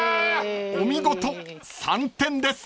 ［お見事３点です］